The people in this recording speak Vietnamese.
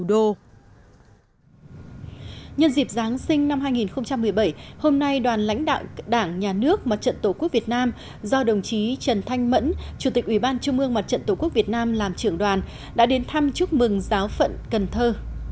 do đồng chí trần thanh mẫn chủ tịch ủy ban trung ương mặt trận tổ quốc việt nam làm trưởng đoàn đã đến thăm chúc mừng giáo phận cần thơ